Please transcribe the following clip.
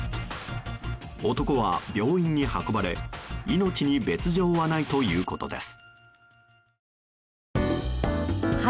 男は、病院に運ばれ命に別条はないということです。